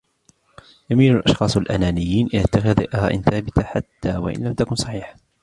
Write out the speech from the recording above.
يميل الأشخاص الأنانيّين إلى اتّخاذ آراء ثابة حتّى و إن لم تكن صحيحة.